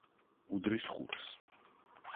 უდრის ხუთს.